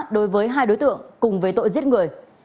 đối với hai đối tượng cùng về tội giết người